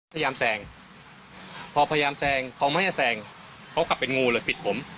พยายามแซงพอพยายามแซงเขาไม่ให้แซงเขาขับเป็นงูเลยปิดผม